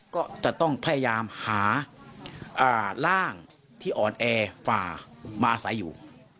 ก็จะต้องพยายามหาร่างที่อ่อนแอฝ่ามาอาศัยอยู่